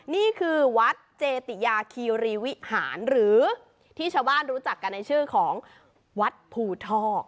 นี่คือวัดเจติยาคีรีวิหารหรือที่ชาวบ้านรู้จักกันในชื่อของวัดภูทอก